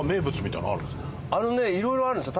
あのねいろいろあるんですよ。